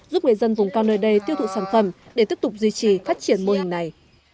giúp người dân vùng cao nơi đây tiêu thụ sản phẩm để tiếp tục duy trì phát triển mô hình này